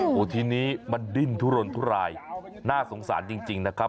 โอ้โหทีนี้มันดิ้นทุรนทุรายน่าสงสารจริงนะครับ